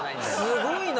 すごいな！